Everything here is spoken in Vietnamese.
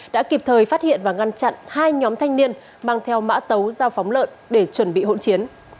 đã kịp thời phát hiện và ngăn chặn hai nhóm thanh niên mang theo mã tấu giao phóng lợn để chuẩn bị hỗn chiến